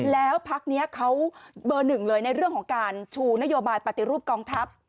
แล้วพักนี้เขาเบอร์หนึ่งเลยในเรื่องของการชูนโยบายปฏิรูปกองทัพ